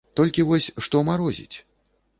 Толькі вось што марозіць?